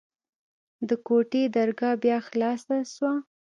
د کوټې درګاه بيا خلاصه سوه.